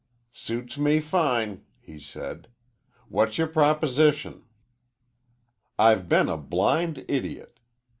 "Suits me fine," he said. "What's your proposition?" "I've been a blind idiot.